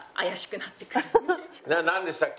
なんでしたっけ？